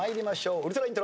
ウルトライントロ。